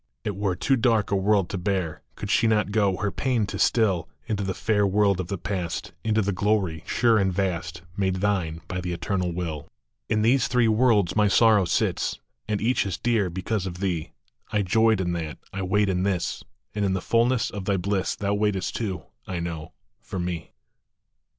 It were too dark a world to bear, Could she not go, her pain to still, Into the fair world of the Past, Into the glory, sure and vast, Made thine by the Eternal Will. 152 THREE WORLDS. In these three worlds my Sorrow sits, And each is dear because of thee ; I joyed in that, I wait in this, And in the fulness of thy bliss Thou waitest too, I know, for me.